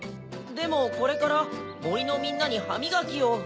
でもこれからもりのみんなにはみがきを。